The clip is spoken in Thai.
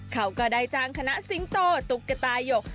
เขาก็ได้จ้างคณะสิงโตตุ๊กตายก